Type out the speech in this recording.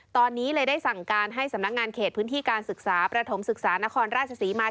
ตอนนี้เลยได้สั่งการให้สำนักงานเขตพื้นที่การศึกษาประถมศึกษานครราชศรีมา